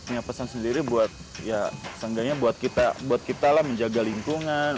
punya pesan sendiri buat ya seenggaknya buat kita buat kita lah menjaga lingkungan